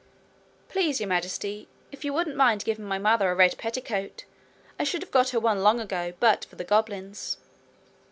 Please, Your Majesty, if you wouldn't mind giving my mother a red petticoat! I should have got her one long ago, but for the goblins.'